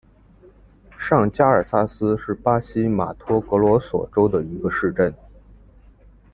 上加尔萨斯是巴西马托格罗索州的一个市镇。